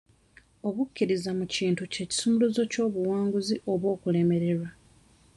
Obukkiriza mu kintu kye kisumuluzo ky'obuwanguzi oba okulemererwa.